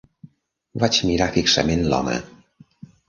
Vaig mirar fixament l'home.